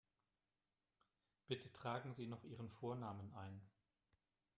Bitte tragen Sie noch Ihren Vornamen ein.